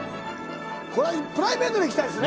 プライベートで行きたいですね。